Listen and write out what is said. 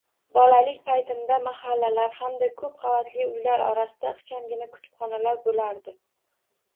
Bolalik paytimda mahallalar hamda ko`p qavatli uylar orasida ixchamgina kutubxonalar bo`lardi